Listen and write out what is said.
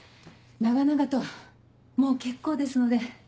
長々ともう結構ですので。